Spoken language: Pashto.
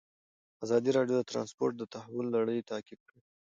ازادي راډیو د ترانسپورټ د تحول لړۍ تعقیب کړې.